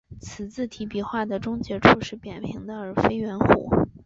此字体笔画的终结处是扁平的而非圆弧。